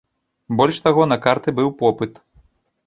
Больш таго, на карты быў попыт.